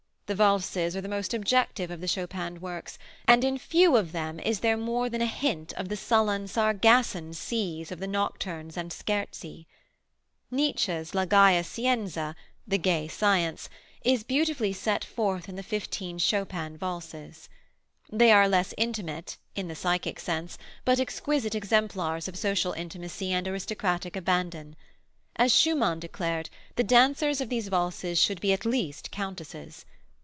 The valses are the most objective of the Chopin works, and in few of them is there more than a hint of the sullen, Sargasson seas of the nocturnes and scherzi. Nietzsche's la Gaya Scienza the Gay Science is beautifully set forth in the fifteen Chopin valses. They are less intimate, in the psychic sense, but exquisite exemplars of social intimacy and aristocratic abandon. As Schumann declared, the dancers of these valses should be at least countesses.